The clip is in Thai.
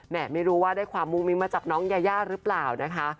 ไม่รู้ว่าได้ความมุ้งมิ้งมาจากน้องยายาหรือเปล่านะคะ